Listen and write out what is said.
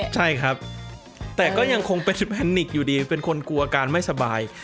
ใช่ครับแต่ก็ยังคงเป็นแพนนิกอยู่ดีเป็นคนกลัวอาการไม่สบาย